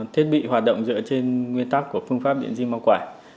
thiết bị hoạt động dựa trên nguyên tắc của phương pháp điện g mau quản